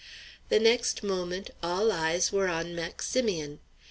The next moment all eyes were on Maximian.